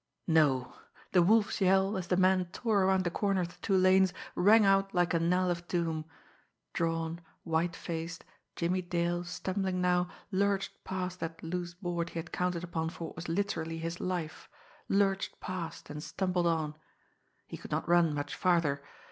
No! The Wolf's yell, as the man tore around the corner of the two lanes, rang out like a knell of doom. Drawn, white faced, Jimmie Dale, stumbling now, lurched past that loose board he had counted upon for what was literally his life lurched past, and stumbled on. He could not run much farther.